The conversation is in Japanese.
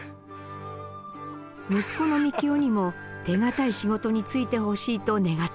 息子のみきおにも手堅い仕事に就いてほしいと願っていました。